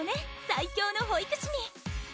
最強の保育士に！